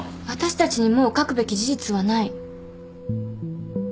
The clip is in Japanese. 私たちにもう書くべき事実はない。